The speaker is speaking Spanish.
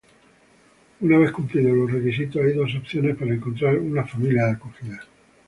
Una vez cumplidos los requisitos, hay dos opciones para encontrar una familia de acogida.